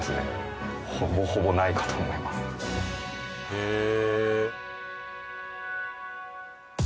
へえ。